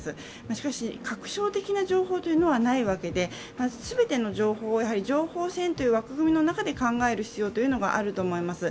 しかし確証的な情報というのはないわけで全ての情報が、情報戦という枠組みの中で考える必要があると思います。